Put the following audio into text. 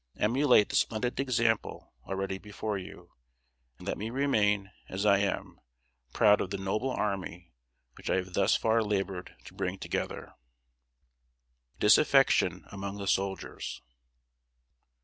Emulate the splendid example already before you, and let me remain, as I am, proud of the noble army which I have thus far labored to bring together. [Sidenote: DISAFFECTION AMONG THE SOLDIERS.